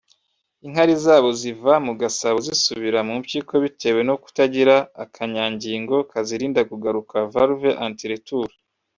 inkari zabo ziva mu gasabo zisubira mu mpyiko bitewe no kutagira akanyangingo kazirinda kugaruka (valve anti-retour)